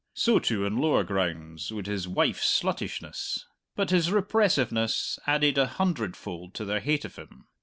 So, too, on lower grounds, would his wife's sluttishness. But his repressiveness added a hundredfold to their hate of him.